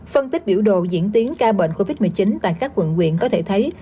phân tích biểu đồ diễn tiến ca bệnh covid một mươi chín tại các quận quyện có thể thấy